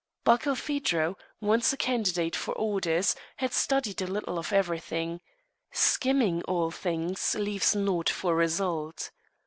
Barkilphedro, once a candidate for orders, had studied a little of everything. Skimming all things leaves naught for result.